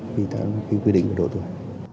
vì vậy là quy định của độ tuổi